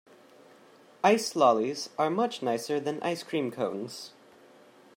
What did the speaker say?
Ice lollies are much nicer than ice cream cones